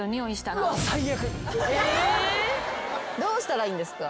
どうしたらいいんですか？